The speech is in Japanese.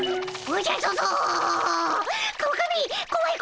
おじゃ。